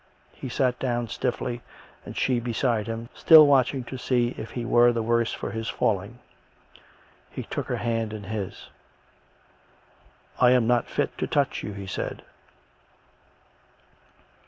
He sat down stiffly, and she beside him, still watching to see if he were the worse for his falling. He took her hand in his. " I am not fit to touch you," he said.